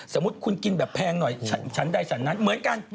สมมุติคุณกินแบบแพงหน่อยฉันใดฉันนั้นเหมือนกัน